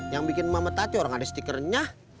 yang bikin mama taco orang ada stikernya